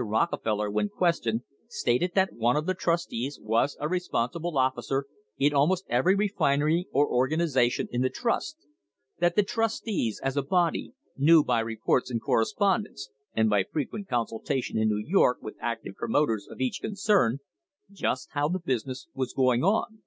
Rockefeller, when questioned, stated that one of the trustees was a responsible officer in almost every refinery or organisation in the trust; that the trustees, as a body, knew by reports and correspondence, and by frequent consultation in New York with active promoters of each concern, just how the business was going on.